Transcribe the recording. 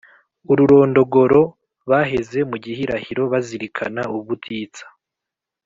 ururondogoro, baheze mu gihiraniro, bazirikana ubutitsa